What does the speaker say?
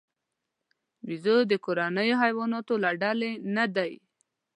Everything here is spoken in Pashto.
بیزو د کورنیو حیواناتو له ډلې نه دی.